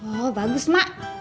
oh bagus mak